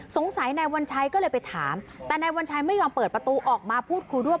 นายวัญชัยก็เลยไปถามแต่นายวัญชัยไม่ยอมเปิดประตูออกมาพูดคุยด้วย